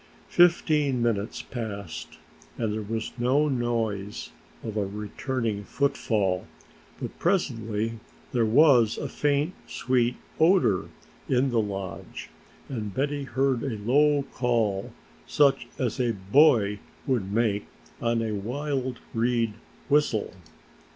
Fifteen minutes passed and there was no noise of a returning footfall, but presently there was a faint, sweet odor in the lodge and Betty heard a low call such as a boy would make on a wild reed whistle.